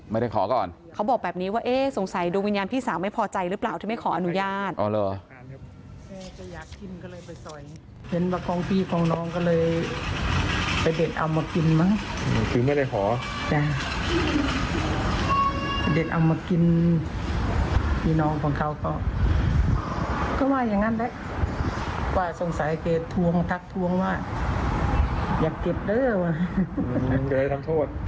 อยากเก็บด้วยทำโทษทำโทษก็เรียงคืน